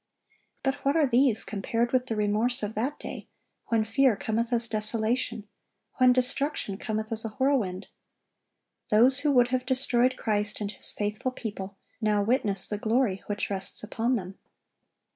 But what are these compared with the remorse of that day when "fear cometh as desolation," when "destruction cometh as a whirlwind"!(1114) Those who would have destroyed Christ and His faithful people, now witness the glory which rests upon them.